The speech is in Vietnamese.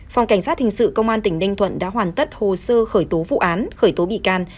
phòng cảnh sát hình sự công an tỉnh ninh thuận đã hoàn tất hồ sơ khởi tố vụ án khởi tố bị can